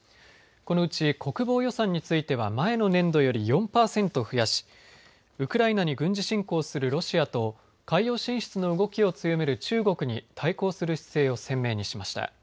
このうち国防予算については前の年度より４％増やしウクライナに軍事侵攻するロシアと海洋進出の動きを強める中国に対抗する姿勢を鮮明にしました。